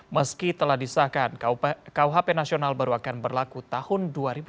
meski telah disahkan kuhp nasional baru akan berlaku tahun dua ribu dua puluh